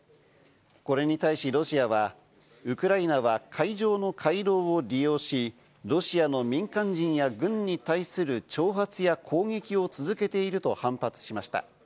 これに対しロシアはウクライナは海上の回廊を利用し、ロシアの民間人や軍に対する挑発や攻撃を続けていると反発しました。